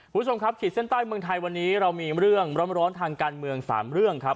คุณผู้ชมครับขีดเส้นใต้เมืองไทยวันนี้เรามีเรื่องร้อนทางการเมือง๓เรื่องครับ